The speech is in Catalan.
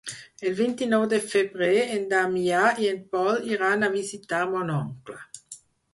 El vint-i-nou de febrer en Damià i en Pol iran a visitar mon oncle.